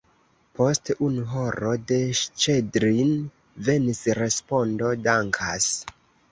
Post unu horo de Ŝĉedrin venis respondo: « Dankas!"